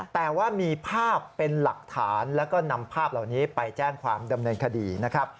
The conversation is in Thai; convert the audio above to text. แต่ว่ามีภาพเป็นหลักฐานแล้วก็นำภาพเหล่านี้ไปแจ้งความดำเนินคดีนะครับ